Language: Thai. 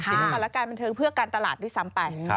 สินลับระกันท่านเทิงเพื่อการตลาดด้วยซ้ำไป